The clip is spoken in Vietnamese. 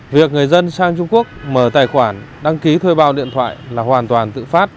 việc người dân sang trung quốc mở tài khoản đăng ký thuê bao điện thoại là hoàn toàn tự phát